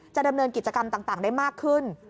ดำเนินกิจกรรมต่างได้มากขึ้น